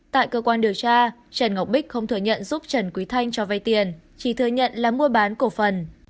tại cơ quan điều tra trần ngọc bích không thừa nhận giúp trần quý thanh cho vay tiền chỉ thừa nhận là mua bán cổ phần